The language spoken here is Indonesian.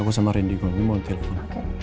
aku sama rindy gue mau telepon